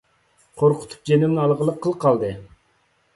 قورقۇتۇپ جېنىمنى ئالغىلى قىل قالدى!